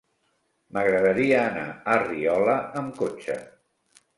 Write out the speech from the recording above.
M'agradaria anar a Riola amb cotxe.